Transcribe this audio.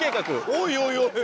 おいおいおい。